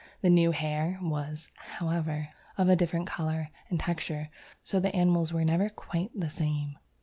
The new hair was, however, of a different colour and texture, 'so the animals were never quite the same.'